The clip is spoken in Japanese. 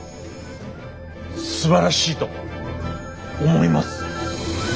すばらしいと思います。